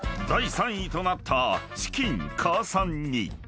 ［第３位となったチキンかあさん煮］